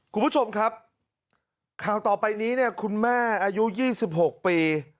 คุณผู้ชมครับข่าวต่อไปนี้เนี่ยคุณแม่อายุ๒๖ปี